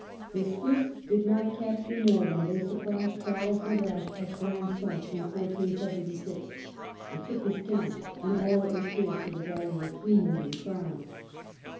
The Swiss did not capture more when they surprised Charles the Sash at Granson in 1476, and took his camp and all that was his to the value of three milHon crowns.